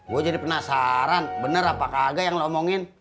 gue jadi penasaran bener apa kagak yang lo omongin